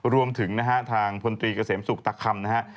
รวมถึงทางพลตรีเกษมสุขตักคำนะครับ